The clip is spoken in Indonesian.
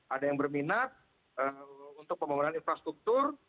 ada yang berminat untuk pembangunan infrastruktur